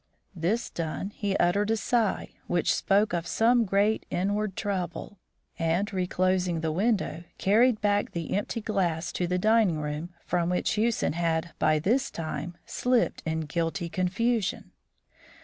This done, he uttered a sigh, which spoke of some great inward trouble, and, reclosing the window, carried back the empty glass to the dining room, from which Hewson had, by this time, slipped in guilty confusion.